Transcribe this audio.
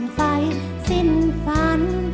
มนต์ไฟสิ้นฝัน